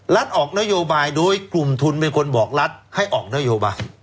ออกนโยบายโดยกลุ่มทุนเป็นคนบอกรัฐให้ออกนโยบาย